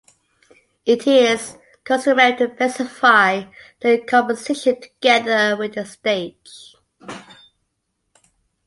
It is customary to specify the composition together with the stage.